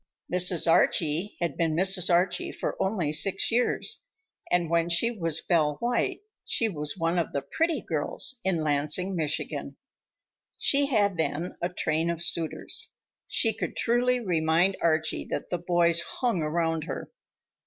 Mrs. Archie had been Mrs. Archie for only six years, and when she was Belle White she was one of the "pretty" girls in Lansing, Michigan. She had then a train of suitors. She could truly remind Archie that "the boys hung around her."